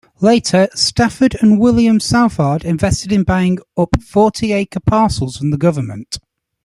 Later, Stafford and William Southard invested in buying up forty-acre parcels from the government.